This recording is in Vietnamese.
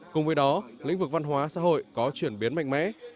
cùng với đó lĩnh vực văn hóa xã hội có chuyển biến mạnh mẽ